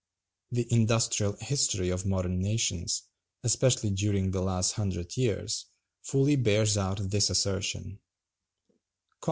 The industrial history of modern nations, especially during the last hundred years, fully bears out this assertion.